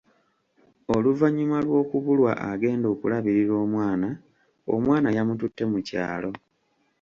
Oluvannyuma lw’okubulwa, agenda okulabirira omwana, omwana yamututte mu kyalo.